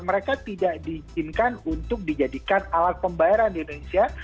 mereka tidak diizinkan untuk dijadikan alat pembayaran di indonesia